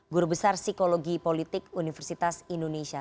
guru besar psikologi politik universitas indonesia